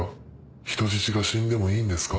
人質が死んでもいいんですか？